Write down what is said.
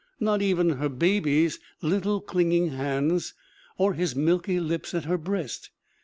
Not even her baby's little clinging hands, or his milky lips at her breast.